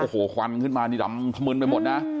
โอ้โหควันขึ้นมานี่ดำขมึนไปหมดนะ